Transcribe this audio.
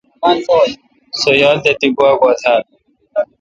سو یال تہ تی گوا گوا تھال ؟